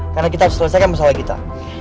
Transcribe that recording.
karena kita harus selesaikan masalah kita